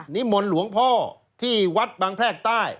มนต์หลวงพ่อที่วัดบางแพรกใต้